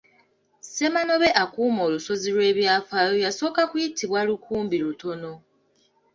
Ssemanobe akuuma olusozi lw’ebyafaayo yasooka kuyitibwa Lukumbirutono.